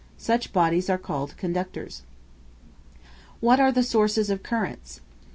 Such bodies are called conductors. What are the sources of currents?